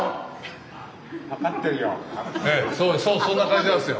そうそんな感じなんですよ。